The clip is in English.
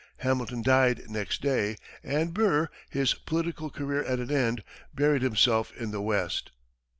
Hamilton died next day, and Burr, his political career at an end, buried himself in the West.